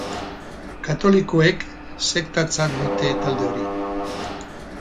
Katolikoek sektatzat dute talde hori.